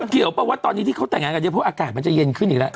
เกี่ยวเปล่าว่าตอนนี้ที่เขาแต่งงานกันเยอะเพราะอากาศมันจะเย็นขึ้นอีกแล้ว